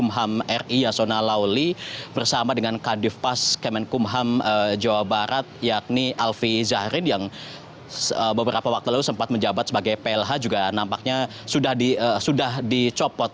menteri hukum dan ham ri yasona lawli bersama dengan kadif pas kemenkum ham jawa barat yakni alfie zaharin yang beberapa waktu lalu sempat menjabat sebagai plh juga nampaknya sudah dicopot